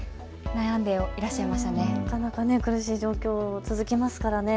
なかなか苦しい状況、続きますからね。